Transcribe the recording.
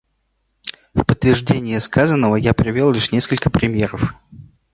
В подтверждение сказанного я привел лишь несколько примеров.